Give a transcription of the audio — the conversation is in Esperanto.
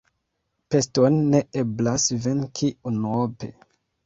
Peston ne eblas venki unuope.